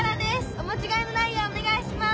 お間違えのないようお願いします。